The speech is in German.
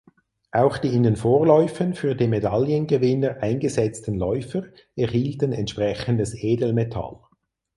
Auch die in den Vorläufen für die Medaillengewinner eingesetzten Läufer erhielten entsprechendes Edelmetall.